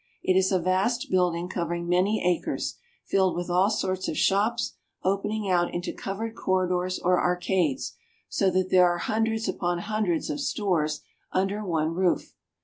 It is a vast building cover ing many acres, filled with all sorts of shops, opening out into covered corridors or arcades, so that there are hun dreds upon hundreds of stores under one roof.